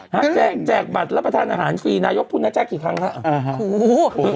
ถ้าแจกแจกบัตรรับประธานอาหารฟรีนายกพุทธนาจ้ากี่ครั้งครับ